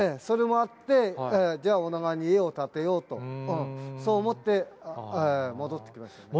それもあって、じゃあ、女川に家を建てようと、そう思って、戻ってきました。